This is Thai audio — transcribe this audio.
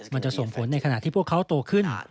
มันจะส่งผลในขณะที่พวกเขาโตขึ้น